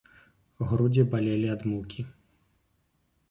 Грудзі балелі ад мукі.